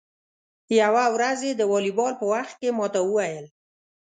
یوه ورځ یې د والیبال په وخت کې ما ته و ویل: